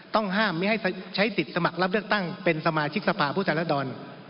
ต้องห้ามไม่ให้ใช้สิทธิ์สมัครรับเลือกตั้งเป็นสมาชิกสภาพผู้แทนรัศดร